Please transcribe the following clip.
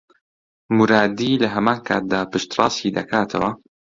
مورادی لە هەمان کاتدا پشتڕاستی دەکاتەوە